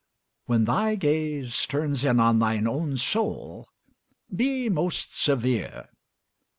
When thy gaze Turns in on thine own soul, be most severe.